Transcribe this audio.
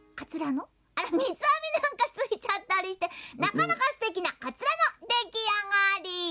みつあみなんかついちゃったりしてなかなかすてきなかつらのできあがり！